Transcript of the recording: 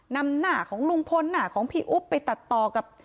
นำหน้าของลุงพลหน้าของพี่อุ๊บไปตัดต่อกับ